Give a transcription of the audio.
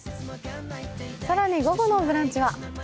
更に午後の「ブランチ」は。